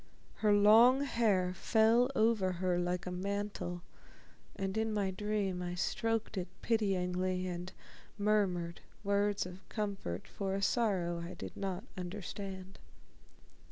Her long hair fell over her like a mantle, and in my dream I stroked it pityingly and murmured words of comfort for a sorrow I did not understand....